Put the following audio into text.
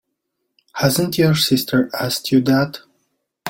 Hasn't your sister asked you that?